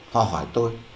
họ hỏi tôi